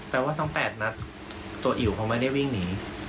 ว่าทั้ง๘นัดตัวอิ๋วเขาไม่ได้วิ่งหนี